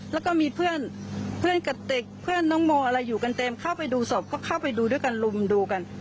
แล้วก็มีเพื่อนเพื่อนกระติกเพื่อนน้องโมอะไรอยู่กันเต็มเข้าไปดูศพก็เข้าไปดูด้วยกันลุมดูกัน